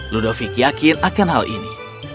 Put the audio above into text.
ludovi yakin akan hal ini